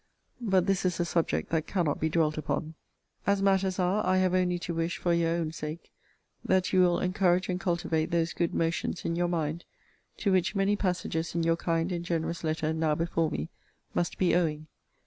But this is a subject that cannot be dwelt upon. As matters are, I have only to wish, for your own sake, that you will encourage and cultivate those good motions in your mind, to which many passages in your kind and generous letter now before me must be owing.